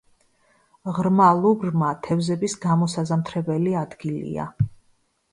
ღრმა ლუბრმა თევზების გამოსაზამთრებელი ადგილია.